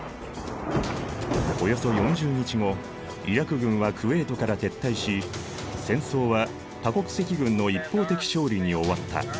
およそ４０日後イラク軍はクウェートから撤退し戦争は多国籍軍の一方的勝利に終わった。